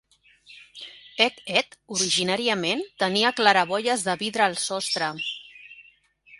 Hec Ed originàriament tenia claraboies de vidre al sostre.